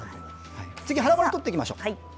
次は腹骨を取っていきましょう。